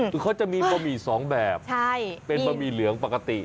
คือเขาจะมีบะหมี่สองแบบเป็นบะหมี่เหลืองปกติ